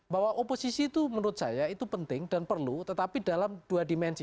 bahwa oposisi itu menurut saya itu penting dan perlu tetapi dalam dua dimensi